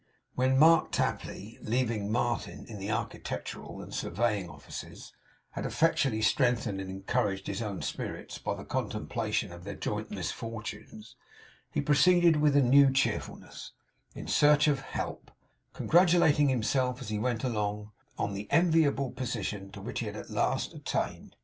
When Mark Tapley, leaving Martin in the architectural and surveying offices, had effectually strengthened and encouraged his own spirits by the contemplation of their joint misfortunes, he proceeded, with new cheerfulness, in search of help; congratulating himself, as he went along, on the enviable position to which he had at last attained.